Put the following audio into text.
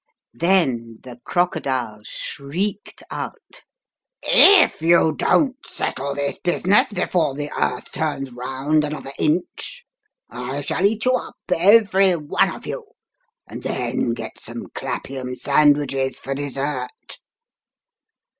Then the crocodile shrieked out, "If you don't settle this business before the earth turns round another inch, I shall eat you up, every one of you, and then get some Clappiam sandwiches for dessert."